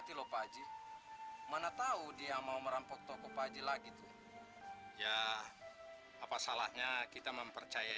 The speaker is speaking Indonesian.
sampai jumpa di video selanjutnya